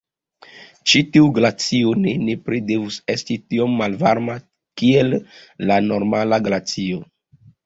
Ĉi tiu glacio ne nepre devus esti tiom malvarma kiel la normala glacio.